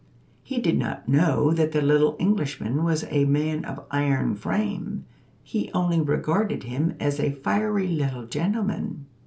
He did not know that the little Englishman was a man of iron frame; he only regarded him as a fiery little gentleman.